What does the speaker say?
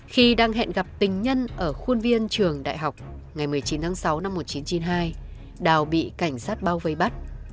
khi đang hẹn gặp tình nhân ở khuôn viên trường đại học ngày một mươi chín tháng sáu năm một nghìn chín trăm chín mươi hai đào bị cảnh sát bao vây bắt